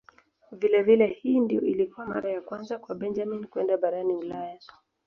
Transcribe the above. Vilevile hii ndiyo ilikuwa mara ya kwanza kwa Benjamin kwenda barani Ulaya.